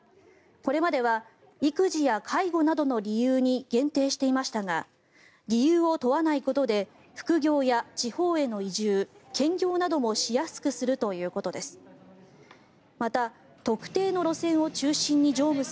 これまでは育児や介護などの理由に限定していましたが理由を問わないことで副業や地方への移住兼業などもしやすくするということです。